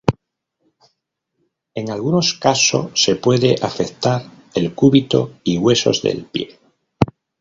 En algunos caso se puede afectar el cúbito y huesos del pie.